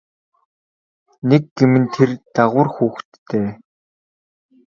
Нэг гэм нь тэр дагавар хүүхэдтэй.